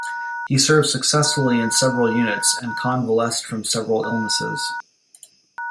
He served successively in several units and convalesced from several illnesses.